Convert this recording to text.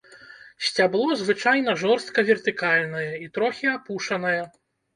Сцябло звычайна жорстка вертыкальнае і трохі апушанае.